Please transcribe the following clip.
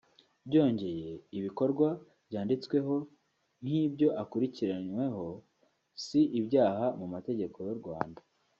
byongeye ibikorwa byanditsweho nk’ibyo akurikiranyweho si ibyaha mu mategeko y’u Rwanda